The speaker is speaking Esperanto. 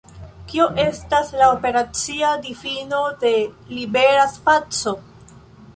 Kio estas la operacia difino de libera spaco?